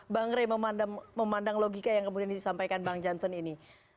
bang rey memandang logika yang kemudian disampaikan bang jansen ini